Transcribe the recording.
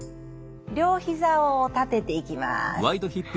両ひざを立てていきます。